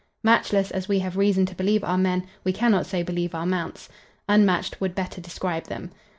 Matchless as we have reason to believe our men, we cannot so believe our mounts. Unmatched would better describe them.